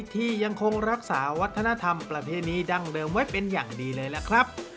ที่ยังคงรักษาวัฒนธรรมประเพณีดั้งเดิมไว้เป็นอย่างดีเลยล่ะครับ